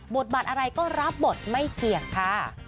บทบัตรอะไรก็รับบทไม่เกี่ยงค่ะ